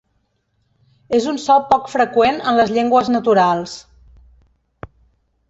És un so poc freqüent en les llengües naturals.